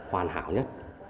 hoàn hảo nhất